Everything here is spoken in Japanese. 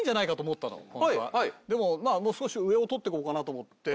もう少し上を取ってこうかなと思って。